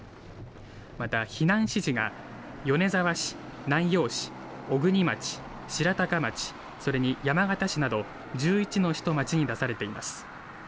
また避難指示が米沢市、南陽市、小国町、白鷹町、それに山形市など１１の市と町に出されています。